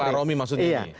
dikubu pak romy maksudnya ini